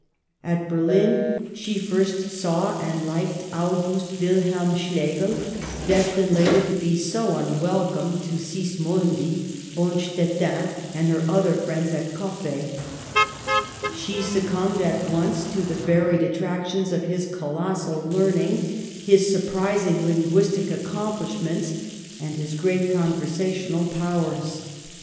At Berlin she first saw and liked August Wil helm Schlegel, destined later to be so unwelcome to Sismondi, Bonstetten, and her other friends at Coppet. She succumbed at once to the varied attractions of his colossal learning, his surprising linguistic accomplishments, and his great conver sational powers.